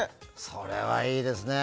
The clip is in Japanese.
それはいいですね。